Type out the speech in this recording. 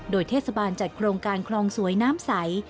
โดยเทศบาลจัดโครงการคลองสวยน้ำใส